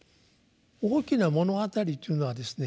「大きな物語」っていうのはですね